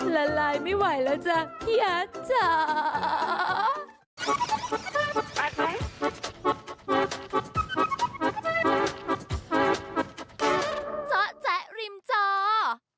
ละลายไม่ไหวแล้วจ้ะพี่ฮัทจ้า